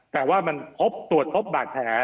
แต่ว่ามันพบตรวจพบบาดแผล